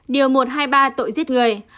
điều một hai ba tội giết người